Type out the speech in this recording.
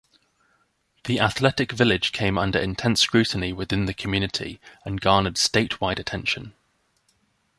The athletic village came under intense scrutiny within the community and garnered statewide attention.